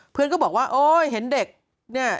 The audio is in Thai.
เพื่อนก็บอกว่าโอ๊ยเห็นเด็กเนี่ย